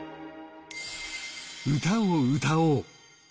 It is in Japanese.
『歌を歌おう』。